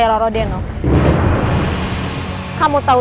kamu harus berhenti